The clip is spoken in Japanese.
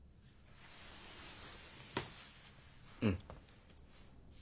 うん。